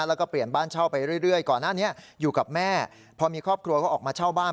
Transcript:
แล้วก็เปลี่ยนบ้านเช่าไปเรื่อยก่อนหน้านี้อยู่กับแม่พอมีครอบครัวก็ออกมาเช่าบ้าน